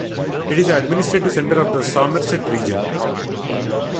It is the administrative centre of the Somerset Region.